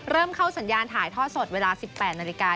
เริ่มเข้าสัญญาณถ่ายทอดสดเวลา๑๘นาฬิกา